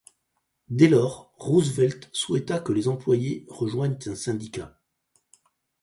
Dès lors, Roosevelt souhaita que les employés rejoignent un syndicat.